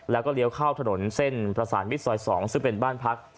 แล้วก็เลี้ยวเข้าถนนเส้นประสานมิตรซอย๒ซึ่งเป็นบ้านพัก